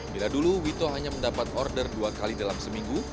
bila dulu wito hanya mendapat order dua kali dalam seminggu